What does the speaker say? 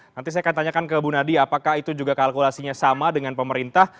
nanti saya akan tanyakan ke bu nadia apakah itu juga kalkulasinya sama dengan pemerintah